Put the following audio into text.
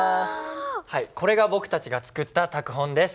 これが僕たちが作った拓本です。